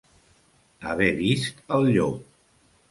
Haver vist al llop.